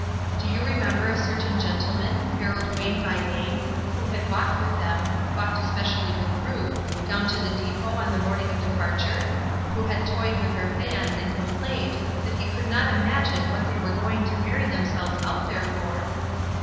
Do you remember a certain gentleman, Harold Wayne by name, who had walked with them, walked especially with Ruth, down to the depot on the morning of departure, who had toyed with her fan and complained that he could not imagine what they were going to bury themselves out there for?